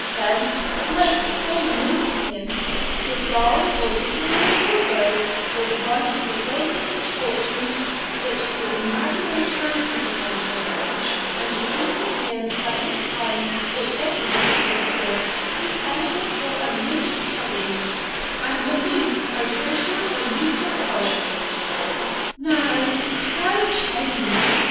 Then, life was so new to him that a dull or disagreeable day was one of the greatest misfortunes which his imagination anticipated, and it seemed to him that his time ought only to be consecrated to elegant or amusing study, and relieved by social or youthful frolic. Now, how changed!